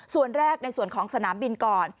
ส่วนแรกในส่วนของสนามบินก่อน